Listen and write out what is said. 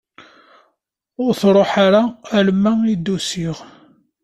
Ur truḥ ara alma i d-usiɣ.